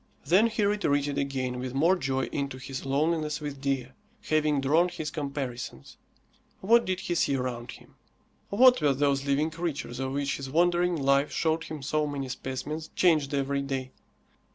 Then he retreated again with more joy into his loneliness with Dea, having drawn his comparisons. What did he see around him? What were those living creatures of which his wandering life showed him so many specimens, changed every day?